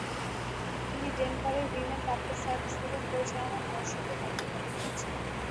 তিনি ডেনভারের women public service লীগের পরিচালনা পর্ষদে দায়িত্ব পালন করেছেন।